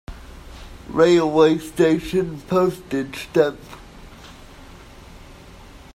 Railway station Postage stamp.